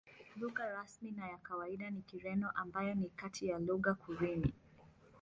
Lugha rasmi na ya kawaida ni Kireno, ambayo ni kati ya lugha za Kirumi.